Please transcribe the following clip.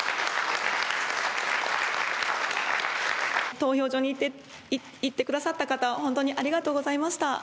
投票所に行ってくださった方本当にありがとうございました。